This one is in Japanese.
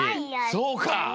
そうか。